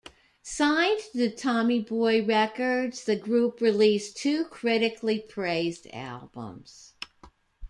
Signed to Tommy Boy Records, the group released two critically praised albums.